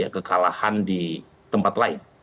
kekalahan di tempat lain